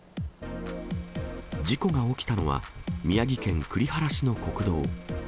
事故が起きたのは、宮城県栗原市の国道。